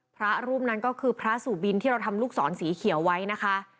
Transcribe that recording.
พระรูปนั้นก็คือพระสุบินที่เราทำลูกศรสีเขียวไว้นะคะ